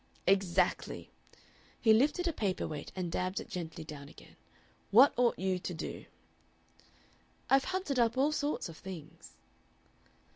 "Exactly!" He lifted a paper weight and dabbed it gently down again. "What ought you to do?" "I've hunted up all sorts of things."